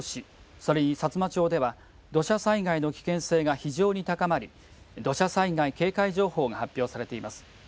それに、さつま町では土砂災害の危険性が非常に高まり土砂災害警戒情報が発表されています。